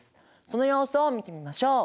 その様子を見てみましょう。